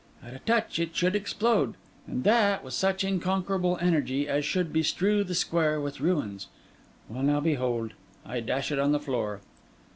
'At a touch it should explode, and that with such unconquerable energy as should bestrew the square with ruins. Well now, behold! I dash it on the floor.